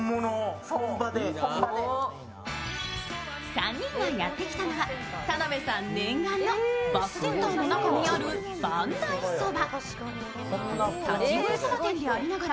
３人がやってきたのは、田辺さん念願のバスセンターの中にある万代そば。